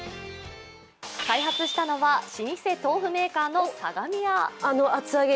開発したのは老舗豆腐メーカーの相模屋。